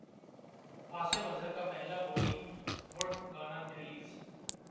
عاصم اظہر کا پہلا بولی وڈ گانا ریلیز